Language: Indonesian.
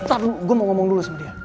ntar gue mau ngomong dulu sama dia